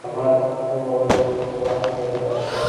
احمد وویل اوس وخت نه دی لاړ شه.